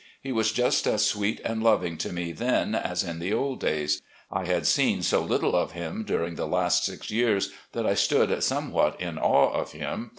He was just as sweet and loving to me then as in the old days. I had seen so httle of him during the last six years that I stood somewhat in awe of him.